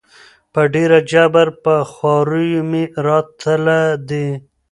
په ډېر جبر په خواریو مي راتله دي